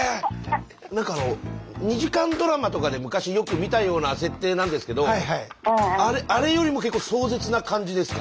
なんかあの２時間ドラマとかで昔よく見たような設定なんですけどあれよりも結構壮絶な感じですか？